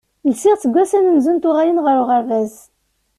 Lsiɣ-t deg wass amenzu n tuɣalin ɣer uɣerbaz.